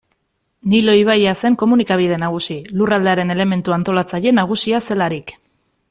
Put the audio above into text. Nilo ibaia zen komunikabide nagusi, lurraldearen elementu antolatzaile nagusia zelarik.